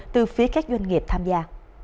từ phía các doanh nghiệp tham gia